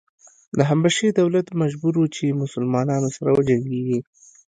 د حبشې دولت مجبور و چې مسلنانو سره وجنګېږي.